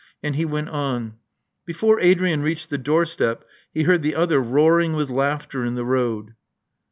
And he went on. Before Adrian reached the doorstep, he heard the other roaring with laughter in the road.